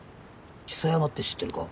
象山って知ってるか？